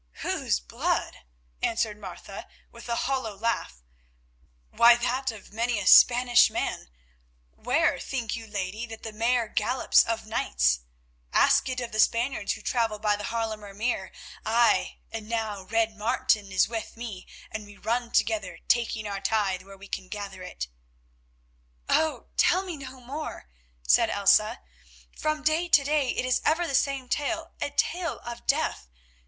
"Whose blood?" answered Martha with a hollow laugh; "why that of many a Spanish man. Where, think you, lady, that the Mare gallops of nights? Ask it of the Spaniards who travel by the Haarlemer Meer. Aye, and now Red Martin is with me and we run together, taking our tithe where we can gather it." "Oh! tell me no more," said Elsa. "From day to day it is ever the same tale, a tale of death.